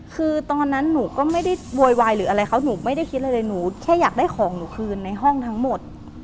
คือตอนนั้นหนูก็ไม่ได้โวยวายหรืออะไรเขาหนูไม่ได้คิดอะไรเลยหนูแค่อยากได้ของหนูคืนในห้องทั้งหมด